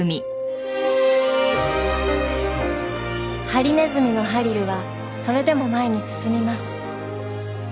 「ハリネズミのハリルはそれでもまえにすすみます」